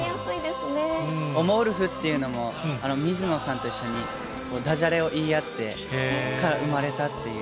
おもウルフっていうのも、水野さんと一緒に、ダジャレを言い合ってから生まれたっていう。